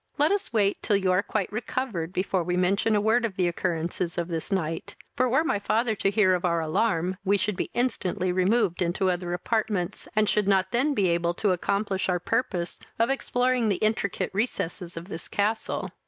Let us wait till you are quite recovered before we mention a word of the occurrences of this night; for, were my father to hear of our alarm, we should be instantly removed into other apartments, and should not then be able to accomplish our purpose of exploring the intricate recesses of this castle.